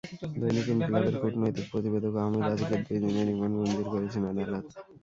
দৈনিক ইনকিলাব-এর কূটনৈতিক প্রতিবেদক আহমেদ আতিকের দুই দিনের রিমান্ড মঞ্জুর করেছেন আদালত।